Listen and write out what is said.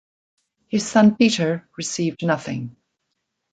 His son Peter received nothing.